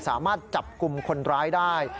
สามารถจับกลุ่มคนร้ายได้